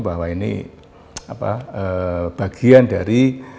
bahwa ini bagian dari